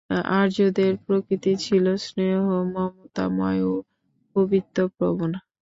আর্যদের প্রকৃতি ছিল স্নেহমমতাময় ও কবিত্বপ্রবণ।